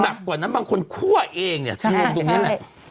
หนักกว่านั้นบางคนคั่วเองเนี่ยคือตรงนี้แหละใช่